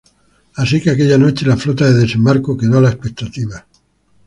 Así que aquella noche la flota de desembarco quedó a la expectativa.